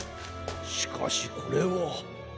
しかしこれは。